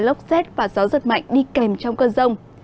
lốc xét và gió giật mạnh đi kèm trong cơn rông